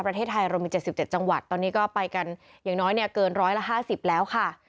ประเทศไทยเรามี๗๗จังหวัดตอนนี้ก็ไปกันอย่างน้อยเนี่ยเกินร้อยละ๕๐แล้วค่ะ